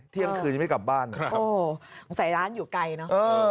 เที่ยงคืนยังไม่กลับบ้านโอ้โหคงใส่ร้านอยู่ไกลเนอะ